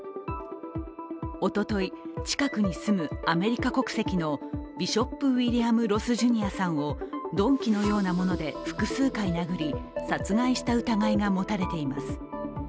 おととい、近くに住むアメリカ国籍のビショップ・ウィリアム・ロス・ジュニアさんを鈍器のようなもので複数回殴り殺害した疑いが持たれています。